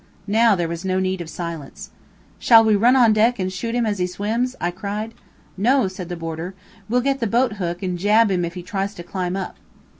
Now there was no need of silence. "Shall we run on deck and shoot him as he swims?" I cried. "No," said the boarder, "we'll get the boat hook, and jab him if he tries to climb up."